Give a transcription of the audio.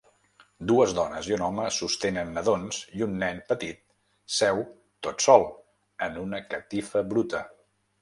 Dues dones i un home sostenen nadons i un nen petit seu tot sol en una catifa bruta.